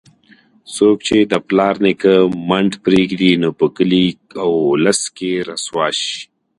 څوک چې د پلار نیکه منډ پرېږدي، نو په کلي اولس کې رسوا شي.